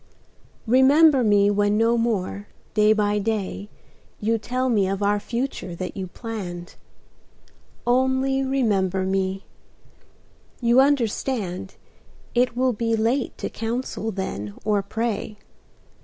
Remember me when no more, day by day, You tell me of our future that you planned: Only remember me; you understand It will be late to counsel then or pray.